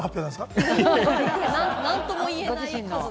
何とも言えない数。